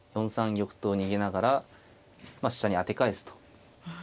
４三玉と逃げながらまあ飛車に当て返すと。